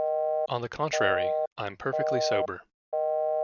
On the contrary, I'm perfectly sober.